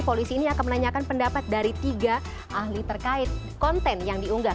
polisi ini akan menanyakan pendapat dari tiga ahli terkait konten yang diunggah